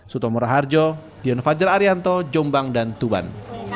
suto muraharjo dion fajar arianto jombang dan tuban